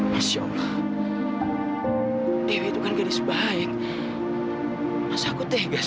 masya allah dewi itu kan gadis bahaya masa aku tegas